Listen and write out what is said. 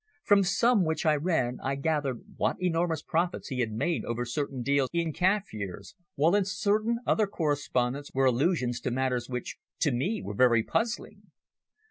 From some which I read I gathered what enormous profits he had made over certain deals in Kaffirs, while in certain other correspondence were allusions to matters which, to me, were very puzzling.